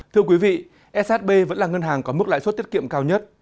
thưa quý vị shb vẫn là ngân hàng có mức lãi suất tiết kiệm cao nhất